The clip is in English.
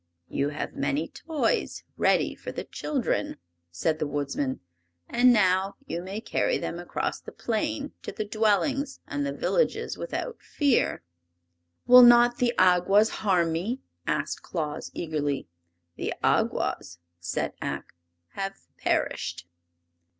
"You have many toys ready for the children," said the Woodsman, "and now you may carry them across the plain to the dwellings and the villages without fear." "Will not the Awgwas harm me?" asked Claus, eagerly. "The Awgwas," said Ak, "have perished!"